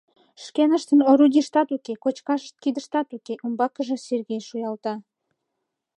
Шкеныштын орудийыштат уке, кочкашышт киндыштат уке, — умбакыже Сергей шуялта.